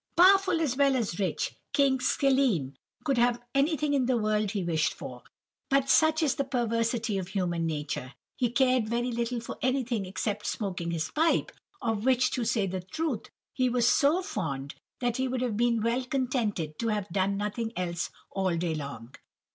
"Powerful as well as rich, King Schelim could have anything in the world he wished for, but—such is the perversity of human nature—he cared very little for anything except smoking his pipe; of which, to say the truth, he was so fond, that he would have been well contented to have done nothing else all day long.